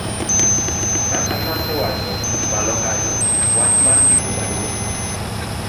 kaka nasewacho malo kanyo wach mar ndiko barua